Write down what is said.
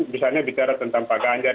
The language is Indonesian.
misalnya bicara tentang pak ganjar